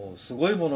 すごい！